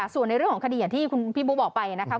ส่วนในเรื่องของคดีอย่างที่คุณพี่บุ๊คบอกไปนะครับ